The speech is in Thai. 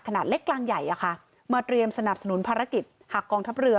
ขนาดเล็กกลางใหญ่อะค่ะมาเตรียมสนับสนุนภารกิจหากกองทัพเรือ